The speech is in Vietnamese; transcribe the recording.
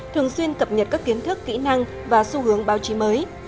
thường xuyên cập nhật các kiến thức kỹ năng và xu hướng báo chí mới